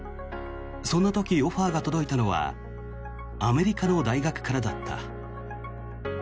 そんな時、オファーが届いたのはアメリカの大学からだった。